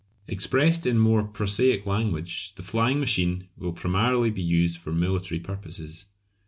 Expressed in more prosaic language, the flying machine will primarily be used for military purposes.